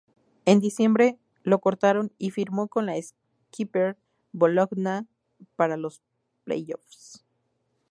En diciembre lo cortaron y firmó con la Skipper Bologna para los playoffs.